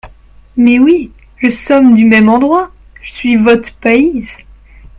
Mais oui ! j’sommes du même endroit ! je suis vot’e payse !…